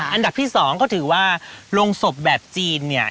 อันดับที่๒ก็ถือว่าโรงศพแบบจีนเนี่ย